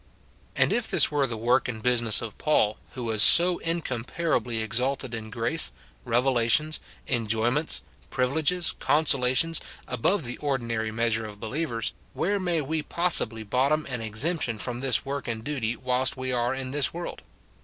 And if this were the work and business of Paul, who was so incomparably exalted in grace, revelations, enjoyments, privileges, con solations, above the ordinary measure of believers, where may we possibly bottom an exemption from this work and duty whilst we are in this world